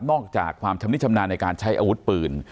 อกจากความชำนิชำนาญในการใช้อาวุธปืน